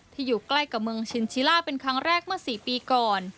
อยู่ใกล้กับเมืองชินชิล่าเป็นครั้งแรกเมื่อ๔ปีก่อน